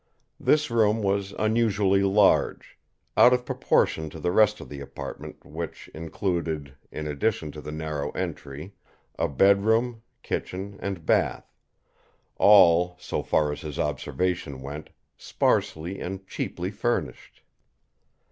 This room was unusually large, out of proportion to the rest of the apartment which included, in addition to the narrow entry, a bedroom, kitchen and bath all, so far as his observation went, sparsely and cheaply furnished.